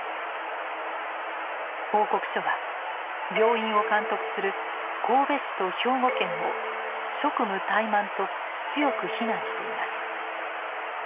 報告書は病院を監督する神戸市と兵庫県を「職務怠慢」と強く非難しています。